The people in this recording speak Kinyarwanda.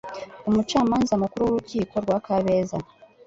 umucamanza mukuru wurukiko rwa kabeza